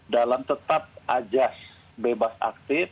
dalam tetap ajas bebas aktif